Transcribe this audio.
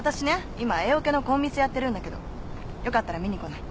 今Ａオケのコンミスやってるんだけどよかったら見に来ない？